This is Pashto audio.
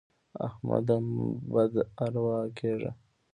احمده مه بد اروا کېږه.